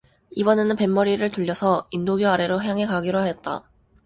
이번에는 뱃머리를 돌려서 인도교 아래로 향해 가기로 하였다.